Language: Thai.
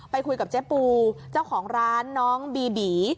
คุยกับเจ๊ปูเจ้าของร้านน้องบีบี